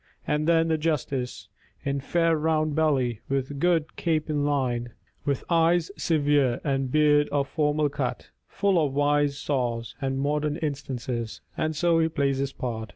And then the justice, In fair round belly with good capon lined, With eyes severe, and beard of formal cut, Full of wise saws and modern instances ; And so he plays his part.